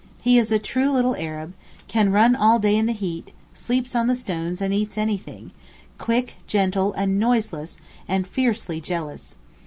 He is a true little Arab—can run all day in the heat, sleeps on the stones and eats anything—quick, gentle and noiseless and fiercely jealous.